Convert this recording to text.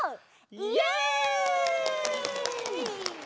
イエイ！